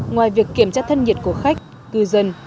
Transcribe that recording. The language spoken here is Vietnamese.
ngoài việc kiểm tra thân nhiệt của khách cư dân